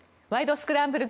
スクランブル」